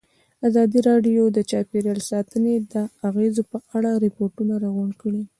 ازادي راډیو د چاپیریال ساتنه د اغېزو په اړه ریپوټونه راغونډ کړي.